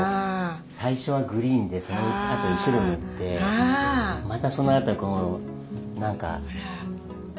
最初はグリーンでそのあとに白塗ってまたそのあとこう何かすごいっすよね。